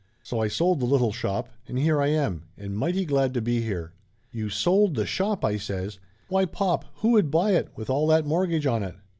So I sold the little shop, and here I am, and mighty glad to be here !" "You sold the shop !" I says. "Why, pop, who would buy it, with all that mortgage on it